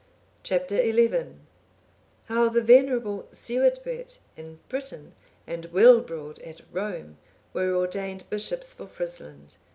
Chap. XI. How the venerable Suidbert in Britain, and Wilbrord at Rome, were ordained bishops for Frisland.